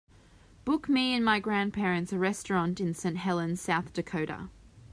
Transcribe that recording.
book me and my grandparents a restaurant in Saint Helens South Dakota